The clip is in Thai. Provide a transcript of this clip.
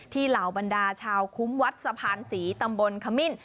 เหล่าบรรดาชาวคุ้มวัดสะพานศรีตำบลขมิ้น